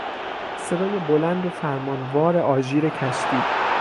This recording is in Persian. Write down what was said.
صدای بلند و فرمانوار آژیر کشتی